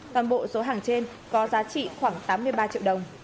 toàn bộ số hàng trên có giá trị khoảng tám mươi ba triệu đồng